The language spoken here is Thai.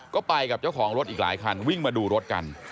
ก็ไปกับเจ้าของรถอีกหลายคันวิ่งมาดูรถกัน